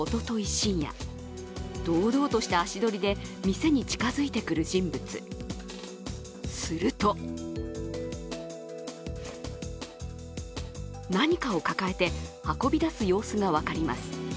深夜、堂々とした足取りで店に近づいてくる人物、すると何かを抱えて運び出す様子が分かります。